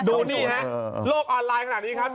นี่ฮะโลกออนไลน์ขนาดนี้ครับ